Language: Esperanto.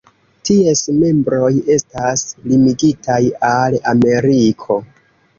Ties membroj estas limigitaj al Ameriko.